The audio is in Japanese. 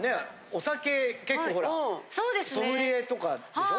お酒結構ほらソムリエとかでしょ？